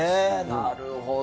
なるほど。